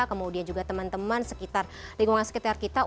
kemudian juga teman teman sekitar lingkungan sekitar kita